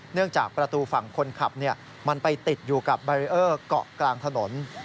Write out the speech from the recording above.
จากประตูฝั่งคนขับมันไปติดอยู่กับบารีเออร์เกาะกลางถนน